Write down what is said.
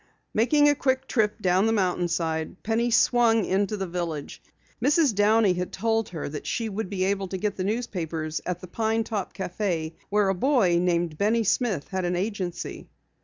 Making a quick trip down the mountainside, Penny swung into the village. Mrs. Downey had told her that she would be able to get the newspapers at the Pine Top Cafe where a boy named Benny Smith had an agency.